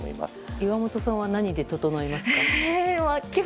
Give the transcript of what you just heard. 岩本さんは何で、ととのいますか？